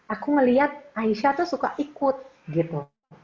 aku ngeliat aisyah tuh suka ikut gitu